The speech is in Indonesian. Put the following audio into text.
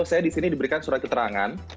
saya di sini diberikan surat keterangan